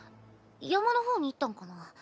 山の方に行ったんかな。